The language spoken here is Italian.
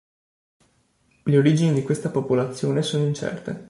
Le origini di questa popolazione sono incerte.